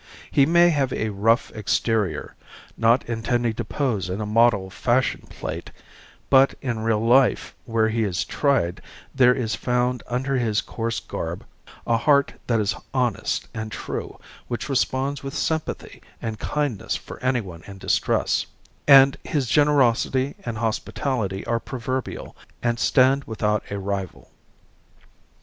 He may have a rough exterior, not intending to pose in a model fashion plate, but in real life where he is tried there is found under his coarse garb a heart that is honest and true which responds with sympathy and kindness for anyone in distress; and his generosity and hospitality are proverbial and stand without a rival.